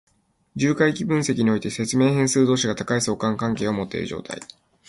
重回帰分析において、説明変数同士が高い相関関係を持っている状態。